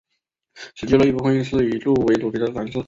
此聚落一部份是以住屋为主题的展示。